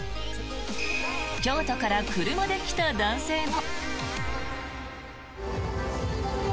京都から車で来た男性も。